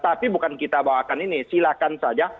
tapi bukan kita bawakan ini silahkan saja